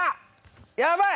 やばい！